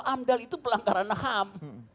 amdal itu pelanggaran ham